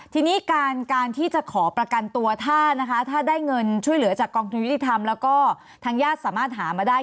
ทีนี้การที่จะขอประกันตัวถ้านะคะถ้าได้เงินช่วยเหลือจากกองทุนยุติธรรมแล้วก็ทางญาติสามารถหามาได้